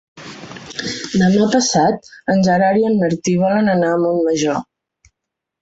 Demà passat en Gerard i en Martí volen anar a Montmajor.